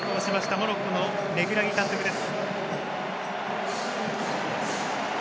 モロッコのレグラギ監督です。